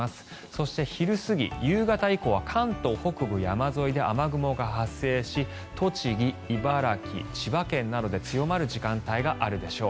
そして昼過ぎ、夕方以降は関東北部、山沿いで雨雲が発生し栃木、茨城、千葉県などで強まる時間帯があるでしょう。